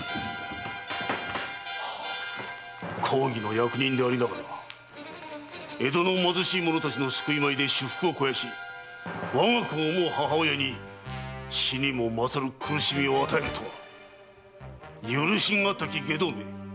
公儀の役人でありながら江戸の貧しい者たちの救い米で私腹を肥やし我が子を思う母親に死にも勝る苦しみを与えるとは許し難き外道め！